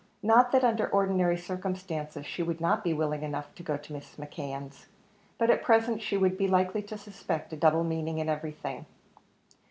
Not that under ordinary circumstances she would not be willing enough to go to Mrs. McKeon's, but at present she would be likely to suspect a double meaning in everything.